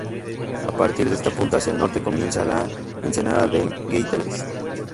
A partir de esta punta hacia el norte comienza la ensenada de Getares.